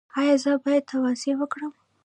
ایا زه باید تواضع وکړم؟